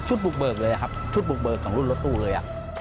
บุกเบิกเลยครับชุดบุกเบิกของรุ่นรถตู้เลย